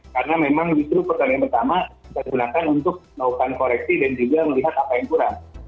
karena memang itu pertanyaan pertama kita gunakan untuk melakukan koreksi dan juga melihat apa yang kurang